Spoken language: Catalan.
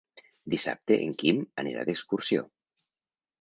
Dissabte en Quim anirà d'excursió.